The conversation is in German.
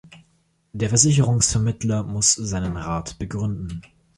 Der Versicherungsvermittler muss seinen Rat begründen.